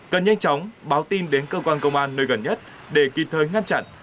cần nhanh chóng báo tin đến cơ quan công an nơi gần nhất để kịp thời ngăn chặn